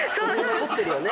残ってるよね。